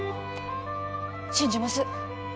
信じます。